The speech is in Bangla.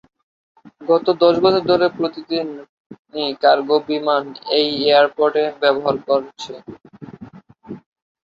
গত দশ বছর ধরে প্রতিদিনই কার্গো বিমান এই এয়ারপোর্ট ব্যবহার করছে।